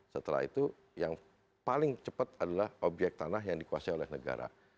setelah itu yang paling cepat adalah obyek tanah yang dikuasai oleh negara